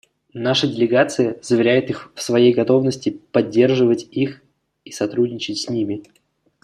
Наша делегация заверяет их в своей готовности поддерживать их и сотрудничать с ними.